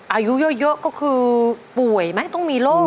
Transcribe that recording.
อายุเยอะก็คือป่วยไหมต้องมีโรค